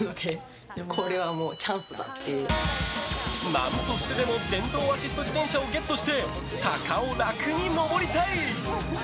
何としてでも電動アシスト自転車をゲットして坂を楽に上りたい！